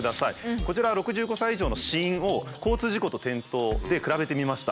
こちらは６５歳以上の死因を交通事故と転倒で比べてみました。